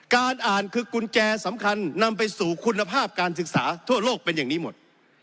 การอ่านคือกุญแจสำคัญนำไปสู่คุณภาพการศึกษาทั่วโลกเป็นอย่างนี้หมด